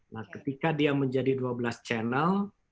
nah ketika dia menjadi dua belas channel